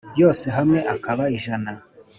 yose hamwe akaba ijana